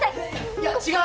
いや違う！